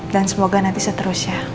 dan semoga nanti seterusnya